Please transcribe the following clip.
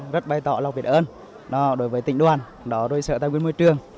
rất bày tỏ lọc biệt ơn đối với tỉnh đoàn đối xã tàu quyên môi trường